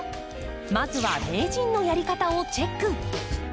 まずは名人のやり方をチェック。